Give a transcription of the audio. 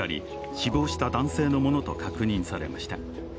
死亡した男性のものと確認されました。